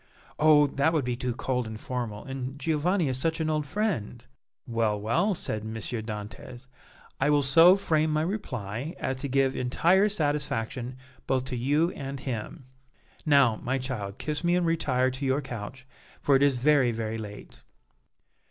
"Oh! that would be too cold and formal, and Giovanni is such an old friend." "Well, well," said M. Dantès, "I will so frame my reply as to give entire satisfaction both to you and him. Now, my child, kiss me and retire to your couch, for it is very, very late."